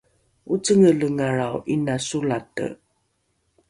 ocengelengalrao ’ina solate